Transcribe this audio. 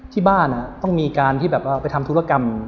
ที่บ้านต้องมีการที่จะไปสิ้นดุลักษณ์